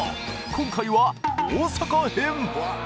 今回は大阪編。